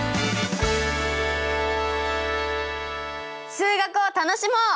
数学を楽しもう！